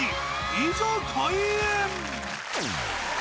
いざ、開演。